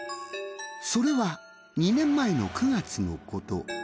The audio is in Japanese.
それは２年前の９月のこと。